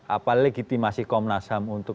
apa legitimasi komnas ham untuk